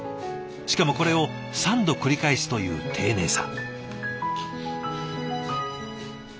しかもこれを３度繰り返すという丁寧さ。